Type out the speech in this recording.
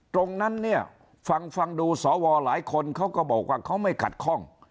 ตรงนั้นเนี่ยฟังฟังดูสวหลายคนเขาก็บอกว่าเขาไม่ขัดข้อง